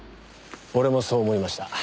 俺もそう思いました。